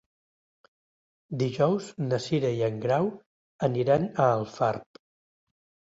Dijous na Cira i en Grau aniran a Alfarb.